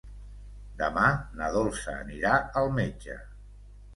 Demà na Dolça anirà al metge.